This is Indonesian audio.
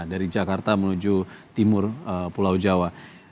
dari jakarta menuju timur pulau jawa